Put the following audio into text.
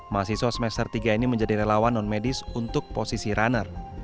mahasiswa semester tiga ini menjadi relawan non medis untuk posisi runner